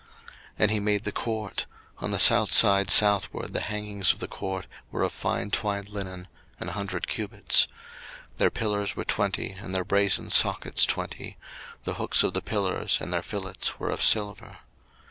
02:038:009 And he made the court: on the south side southward the hangings of the court were of fine twined linen, an hundred cubits: 02:038:010 Their pillars were twenty, and their brasen sockets twenty; the hooks of the pillars and their fillets were of silver.